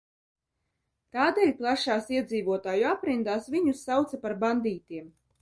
Tādēļ plašās iedzīvotāju aprindās viņus sauca par bandītiem.